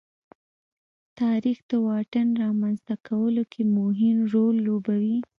تاریخ د واټن رامنځته کولو کې مهم رول لوبوي.